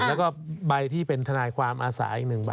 แล้วก็ใบที่เป็นทนายความอาสาอีก๑ใบ